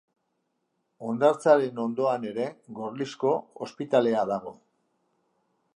Hondartzaren ondoan ere Gorlizko Ospitalea dago.